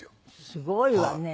すごいわね。